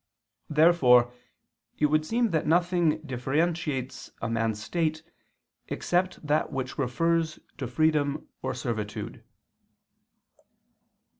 Therefore it would seem that nothing differentiates a man's state, except that which refers to freedom or servitude.